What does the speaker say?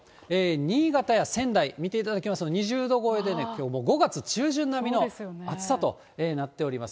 新潟や仙台、見ていただきますと、２０度超えできょう５月中旬並みの暑さとなっております。